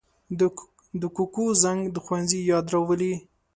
د کوکو زنګ د ښوونځي یاد راولي